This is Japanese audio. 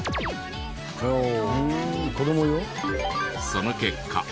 その結果